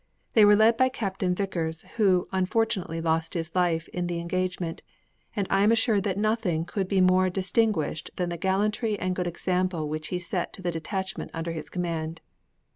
'They were led by Captain Vicars, who, unfortunately, lost his life in the engagement; and I am assured that nothing could be more distinguished than the gallantry and good example which he set to the detachment under his command.'